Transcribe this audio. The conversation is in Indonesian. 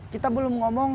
kita belum ngomongnya